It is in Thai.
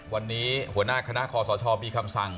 วันนี้หัวหน้าคณะคอสชมีคำสั่ง